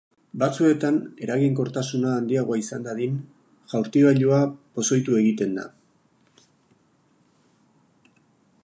Batzuetan, eraginkortasuna handiagoa izan dadin, jaurtigailua pozoitu egiten da.